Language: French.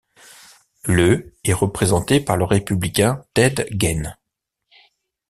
Le est représenté par le républicain Ted Gaines.